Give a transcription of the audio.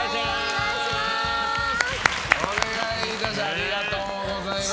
ありがとうございます！